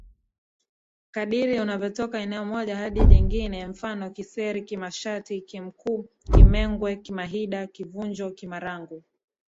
kadiri unavyotoka eneo moja hadi jingine mfano Kisseri Kimashati Kimkuu Kimengwe Kimahida Kivunjo Kimarangu